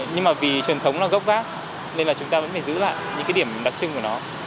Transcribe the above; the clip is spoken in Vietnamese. nhưng mà vì truyền thống là gốc vác nên là chúng ta vẫn phải giữ lại những cái điểm đặc trưng của nó